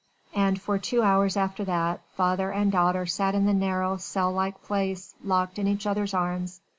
And for two hours after that, father and daughter sat in the narrow cell like place, locked in each other's arms.